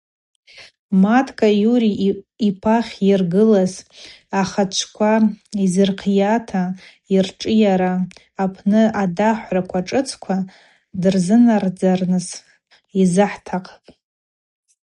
Маткӏа Юрий йпахь йыргылыз ахачӏвква йзырхъйата йыршӏыйара апны адахӏвра шӏыцква дырзынадзарныс йзыхӏтахъпӏ.